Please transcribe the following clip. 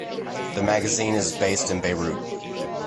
The magazine is based in Beirut.